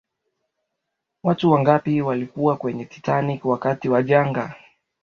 watu wangapi waliyokuwa kwenye titanic wakati wa janga